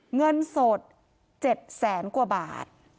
เงินสด๗แสนกว่าบาท